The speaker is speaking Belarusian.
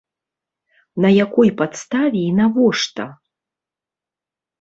На якой падставе і навошта?